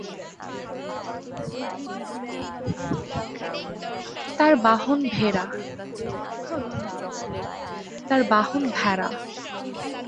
তার বাহন ভেড়া।